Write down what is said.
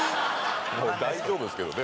もう大丈夫ですけどね